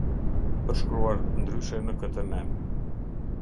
Përshkruar ndryshe në këtë nen.